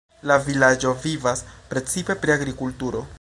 La vilaĝo vivas precipe pri agrikulturo.